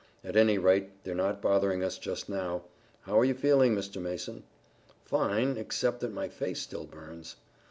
At any rate they're not bothering us just now. How're you feeling, Mr. Mason?" "Fine, except that my face still burns."